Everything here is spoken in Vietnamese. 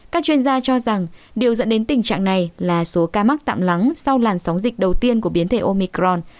các chuyên gia cho rằng điều dẫn đến tình trạng này là số ca mắc tạm lắng sau làn sóng dịch đầu tiên của biến thể omicron